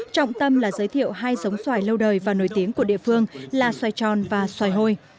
trọng tâm là giới thiệu hai giống xoài lâu đời và nổi tiếng của địa phương là xoài tròn và xoài hôi